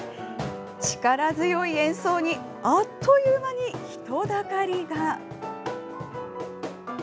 力強い演奏にあっという間に人だかりが。